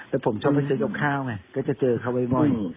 แต่ผมชอบไปซื้อยงข้าวไงก็จะเจอเขาบ่อย